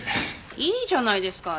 いいじゃないですか。